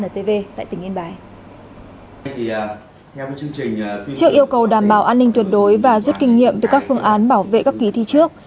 trước yêu cầu đảm bảo an ninh tuyệt đối và rút kinh nghiệm từ các phương án bảo vệ các kỳ thi trước